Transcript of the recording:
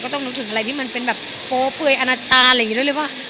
ก็ต้องรู้ถึงอะไรที่มันเป็นแบบโฟล์เผื่อยอาณาจารย์อะไรอย่างนี้เลยว่า